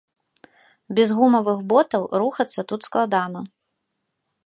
Без гумавых ботаў рухацца тут складана.